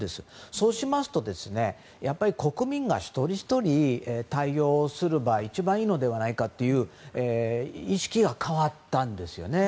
そうしますと国民一人ひとりが対応するのが一番いいのではないかと意識が変わったんですね。